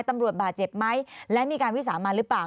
ตำรวจบาดเจ็บไหมและมีการวิสามันหรือเปล่า